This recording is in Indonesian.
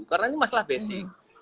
karena ini masalah basic